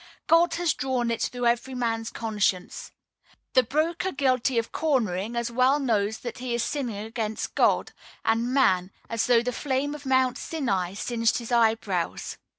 God has drawn it through every man's conscience. The broker guilty of "cornering" as well knows that he is sinning against God and man, as though the flame of Mount Sinai singed his eyebrows.